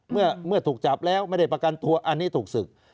เมื่อถูกจับแล้วไม่ได้ประกันตัวอันนี้ถูกศึก